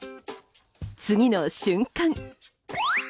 次の瞬間。